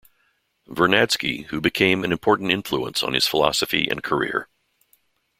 Vernadsky, who became an important influence on his philosophy and career.